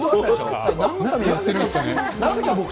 なんのためにやってるんですかね。